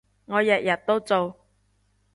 我日日都做